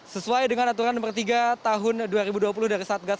sesuai dengan aturan nomor tiga tahun dua ribu dua puluh dari satgas